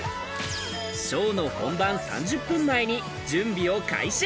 ショーの本番３０分前に準備を開始。